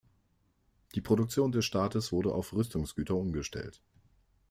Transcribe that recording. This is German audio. Die Produktion des Staates wurde auf Rüstungsgüter umgestellt.